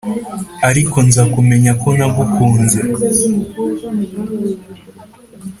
Ariko nza kumenya ko nagukunze